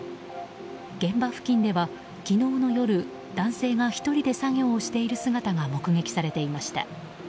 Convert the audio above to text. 現場付近では昨日の夜男性が１人で作業をしている姿が目撃されていました。